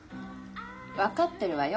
分かってるわよ